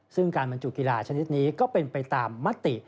ซึ่งการบรรจุกีฬาชนิดนี้ก็เป็นไปตามมติ